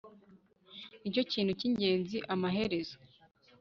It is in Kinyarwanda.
nicyo kintu cyingenzi amaherezo